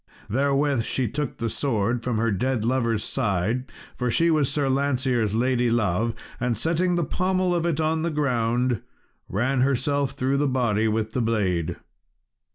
Therewith she took the sword from her dead lover's side for she was Sir Lancear's lady love and setting the pommel of it on the ground, ran herself through the body with the blade.